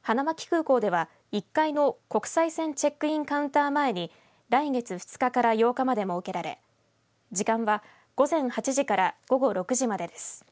花巻空港では１階の国際線チェックインカウンター前に来月２日から８日まで設けられ時間は午前８時から午後６時までです。